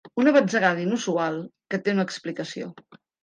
Una batzegada inusual, que té una explicació.